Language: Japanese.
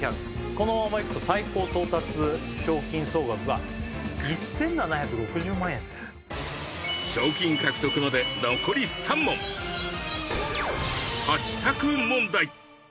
このままいくと最高到達賞金総額は１７６０万円だよ賞金獲得まで残り３問８択問題